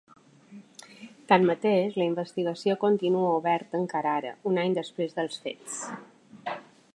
Tanmateix, la investigació continua oberta encara ara, un any després dels fets.